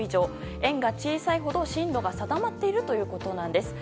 円が小さければ小さいほど進路が定まっているということなんです。